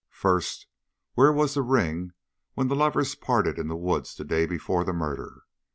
First, where was the ring when the lovers parted in the wood the day before the murder?